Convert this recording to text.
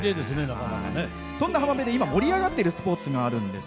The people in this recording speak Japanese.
そんな浜辺で今、盛り上がってるスポーツがあるんです。